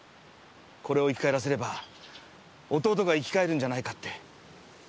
これを生き返らせれば弟が生き返るんじゃないかって。